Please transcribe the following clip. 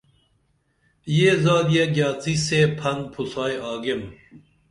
یہ زادیہ گِیاڅی سے پھن پُھسائی آگیم